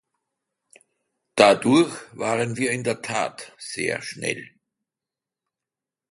Dadurch waren wir in der Tat sehr schnell.